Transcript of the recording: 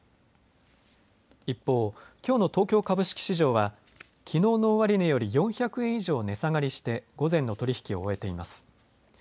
一方、きょうの東京株式市場はきのうの終値より４００円以上値下がりして午前の取り引きを終えています。